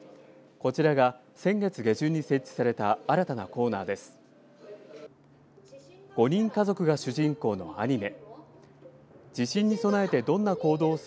こちらが先月下旬に設置された新たなコーナーです。